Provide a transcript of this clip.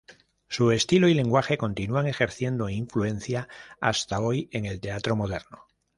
Su estilo y lenguaje continúan ejerciendo influencia hasta hoy en el teatro moderno.